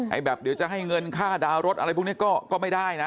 แบบเดี๋ยวจะให้เงินค่าดาวน์รถอะไรพวกนี้ก็ไม่ได้นะ